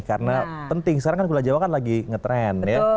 karena penting sekarang kan gula jawa kan lagi ngetrend ya